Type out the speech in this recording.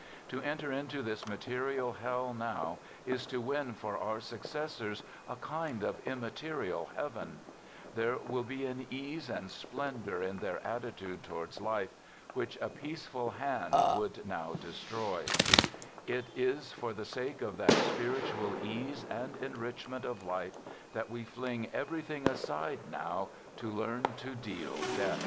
To enter into this material hell now is to win for our successors a kind of immaterial heaven. There will be an ease and splendor in their attitude towards life which a peaceful hand would now destroy. It is for the sake of that spiritual ease and enrichment of life that we fling everything aside now to learn to deal death. Taken by permission from " Men of Letters" by Dixon Scott. Published by George H.